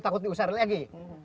takut diusahakan lagi